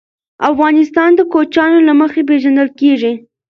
افغانستان د کوچیانو له مخي پېژندل کېږي.